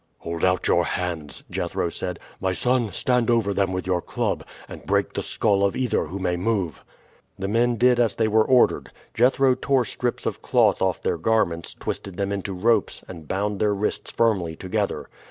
"Hold out your hands," Jethro said. "My son, stand over them with your club, and break the skull of either who may move." The men did as they were ordered. Jethro tore strips of cloth off their garments, twisted them into ropes, and bound their wrists firmly together.